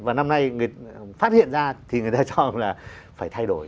và năm nay phát hiện ra thì người ta cho là phải thay đổi